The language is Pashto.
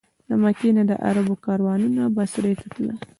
له مکې نه د عربو کاروانونه بصرې ته تلل.